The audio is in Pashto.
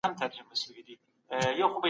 دا وسايل د دولت لخوا چمتو سوي دي.